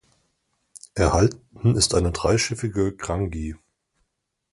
Erhalten ist eine dreischiffige Grangie.